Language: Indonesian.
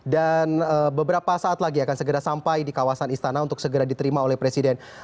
dan beberapa saat lagi akan segera sampai di kawasan istana untuk segera diterima oleh presiden